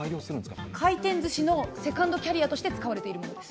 回転ずしのセカンドキャリアとして使われているものです。